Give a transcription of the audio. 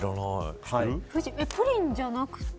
プリンじゃなくて。